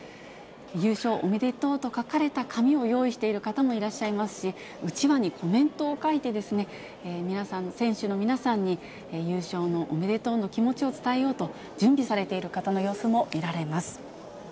優勝おめでとうと書かれた紙を用意している方もいらっしゃいますし、うちわにコメントを書いて、選手の皆さんに、優勝のおめでとうの気持ちを伝えようと準備されている方の様子も見られます。